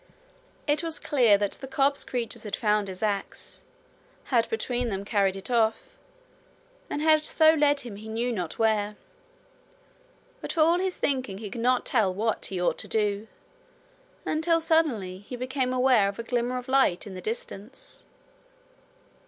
It was clear that the cobs' creatures had found his axe, had between them carried it off, and had so led him he knew not where. But for all his thinking he could not tell what he ought to do, until suddenly he became aware of a glimmer of light in the distance.